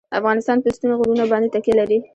افغانستان په ستوني غرونه باندې تکیه لري.